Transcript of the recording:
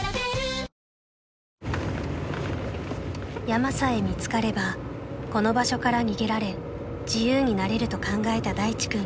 ［山さえ見つかればこの場所から逃げられ自由になれると考えた大地君］